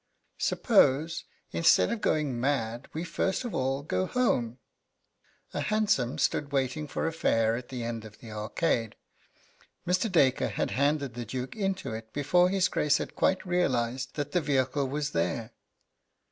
Suppose, instead of going mad, we first of all go home?" A hansom stood waiting for a fare at the end of the Arcade. Mr. Dacre had handed the Duke into it before his Grace had quite realised that the vehicle was there.